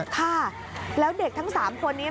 ค่ะแล้วเด็กทั้ง๓คนนี้